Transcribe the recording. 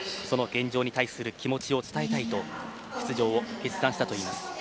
その現状に対する気持ちを伝えたいと出場を決断したといいます。